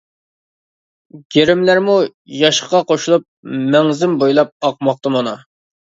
گىرىملەرمۇ ياشقا قوشۇلۇپ مەڭزىم بويلاپ ئاقماقتا مانا.